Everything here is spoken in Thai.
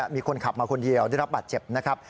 มีคนขับมาคนเดียวได้รับบาดเจ็บนะครับ